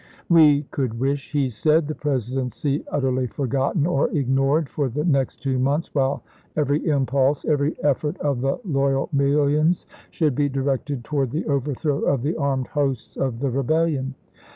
"We could wish," he said, "the Presidency utterly forgotten or ignored for the next two months, while every impulse, every effort of the loyal millions should be directed toward the overthrow of the armed hosts of the Rebellion.